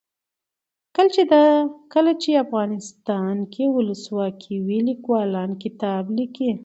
کله چې افغانستان کې ولسواکي وي لیکوالان کتاب لیکي.